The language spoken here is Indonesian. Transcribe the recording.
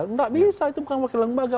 nggak bisa itu bukan wakil lembaga